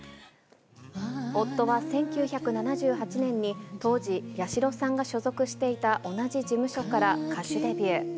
夫は１９７８年に、当時、八代さんが所属していた同じ事務所から歌手デビュー。